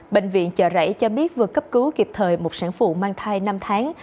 bệnh viện chợ rẫy cho biết vừa cấp cứu kịp thời một sản phụ mang thai năm tháng